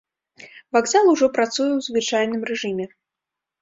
Вакзал ужо працуе ў звычайным рэжыме.